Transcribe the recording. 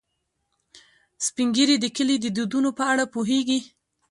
سپین ږیری د کلي د دودونو په اړه پوهیږي